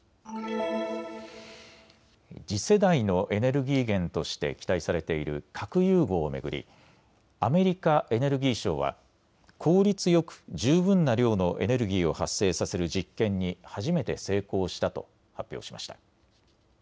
次世代のエネルギー源として期待されている核融合を巡りアメリカ・エネルギー省は効率よく十分な量のエネルギーを発生させる実験に初めて成功したと発表しました。